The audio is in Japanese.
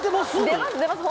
出ます出ます